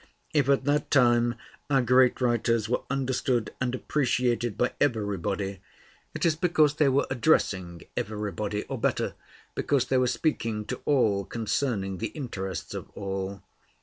If at that time our great writers were understood and appreciated by everybody, it is because they were addressing everybody, or better, because they were speaking to all concerning the interests of all.